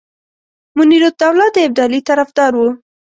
منیرالدوله د ابدالي طرفدار وو.